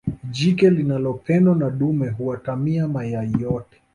jike linalopendelewa na dume huatamia mayai yote